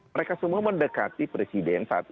mereka semua mendekati presiden